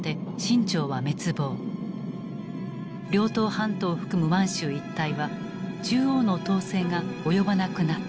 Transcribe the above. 遼東半島を含む満州一帯は中央の統制が及ばなくなった。